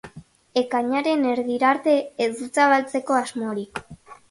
Ekainaren erdirarte ez du zabaltzeko asmorik.